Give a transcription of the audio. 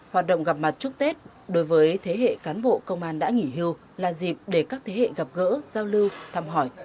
hoạt động gặp mặt chúc tết đối với thế hệ cán bộ công an đã nghỉ hưu là dịp để các thế hệ gặp gỡ giao lưu thăm hỏi